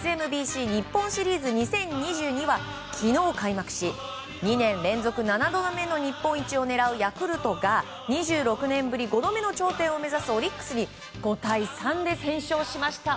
ＳＭＢＣ日本シリーズ２０２２は昨日、開幕し２年連続７度目の日本一を狙うヤクルトが２６年ぶり５度目の頂点を目指すオリックスに５対３で先勝しました。